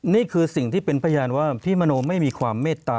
นี่คือสิ่งที่เป็นพยานว่าพี่มโนไม่มีความเมตตา